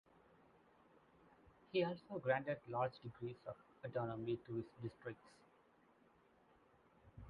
He also granted large degrees of autonomy to his districts.